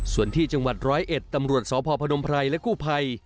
ส่วนที่จังหวัด๑๐๑ตำรวจสพพและคู่ภัย